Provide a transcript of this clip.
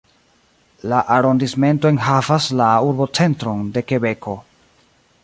La arondismento enhavas la urbocentron de Kebeko.